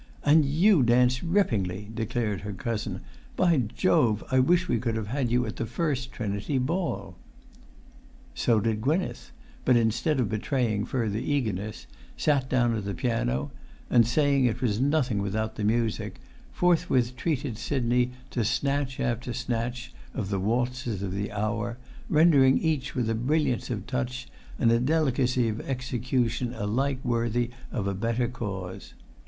"And you dance rippingly," declared her cousin; "by Jove, I wish we could have you at the First Trinity ball!" So did Gwynneth; but, instead of betraying further eagerness, sat down at the piano, and, saying it was nothing without the music, forthwith treated Sidney to snatch after snatch of the waltzes of the hour, rendering each with a brilliance of touch and a delicacy of execution alike worthy of a better cause.